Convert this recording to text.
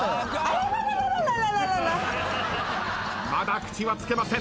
まだ口はつけません。